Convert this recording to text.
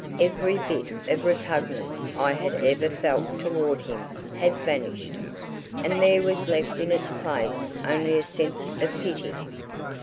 Every bit of repugnance I had ever felt toward him had vanished, and there was left in its place only a sense of pity.